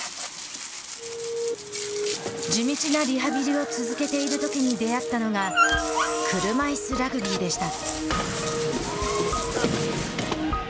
地道なリハビリを続けているときに出会ったのが車いすラグビーでした。